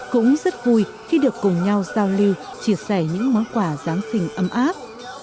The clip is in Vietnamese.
cũng rất vui khi được cùng nhau giao lưu chia sẻ những món quà giáng sinh ấm áp